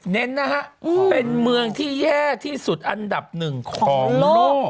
เน้นนะฮะเป็นเมืองที่แย่ที่สุดอันดับหนึ่งของโลก